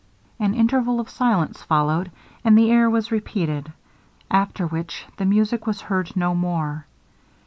An interval of silence followed, and the air was repeated; after which the music was heard no more.